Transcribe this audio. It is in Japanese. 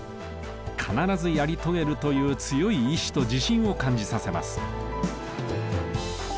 「必ずやり遂げる！」という強い意志と自信を感じさせます。